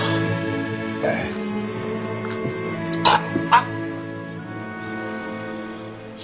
あっ！